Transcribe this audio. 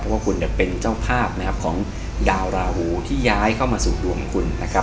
เพราะว่าคุณเนี่ยเป็นเจ้าภาพนะครับของดาวราหูที่ย้ายเข้ามาสู่ดวงคุณนะครับ